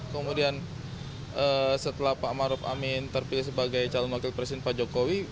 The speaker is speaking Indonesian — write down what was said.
kemudian setelah pak maruf amin terpilih sebagai calon wakil presiden pak jokowi